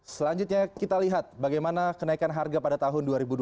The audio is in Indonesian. selanjutnya kita lihat bagaimana kenaikan harga pada tahun dua ribu dua puluh